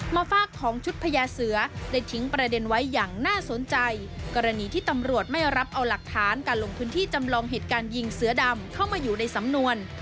มาฝากของชุดพญาเสือได้ทิ้งประเด็นไว้อย่างน่าสนใจกรณีที่ตำรวจไม่รับเอาหลักฐานการลงพื้นที่จำลองเหตุการณ์ยิงเสือดำเข้ามาอยู่ในสำนวน